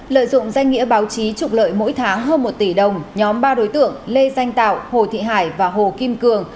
lợi dụng danh nghĩa báo chí trục lợi mỗi tháng hơn một tỷ đồng nhóm ba đối tượng lê danh tạo hồ thị hải và hồ kim cường